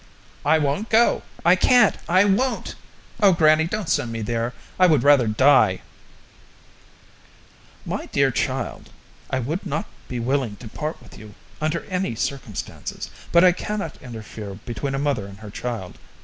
I won't go! I can't! I won't! Oh, grannie, don't send me there I would rather die." "My dear child, I would not be willing to part with you under any circumstances, but I cannot interfere between a mother and her child.